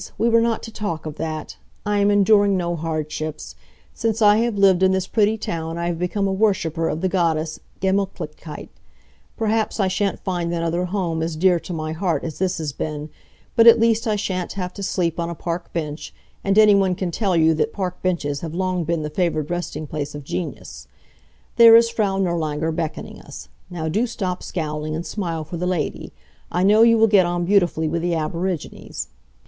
We were not to talk of that. I am enduring no hardships. Since I have lived in this pretty town I have become a worshiper of the goddess Gemutlichkeit. Perhaps I shan't find another home as dear to my heart as this has been, but at least I shan't have to sleep on a park bench, and any one can tell you that park benches have long been the favored resting place of genius. There is Frau Nirlanger beckoning us. Now do stop scowling, and smile for the lady. I know you will get on beautifully with the aborigines."